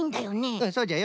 うんそうじゃよ。